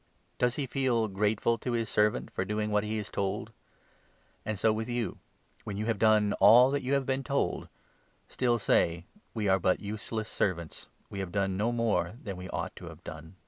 Does he feel 9 grateful to his servant for doing what he is told ? And so with 10 you — when you have done all that you have been told, still say ' We are but useless servants ; we have done no more than we ought to have done.